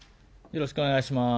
よろしくお願いします。